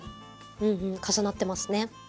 うんうん重なってますね。